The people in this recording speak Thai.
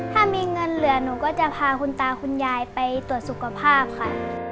ถ้ามีเงินเหลือหนูก็จะพาคุณตาคุณยายไปตรวจสุขภาพค่ะ